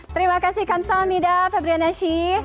terima kasih kamsahamnida febriana syih